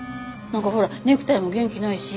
なんかほらネクタイも元気ないし。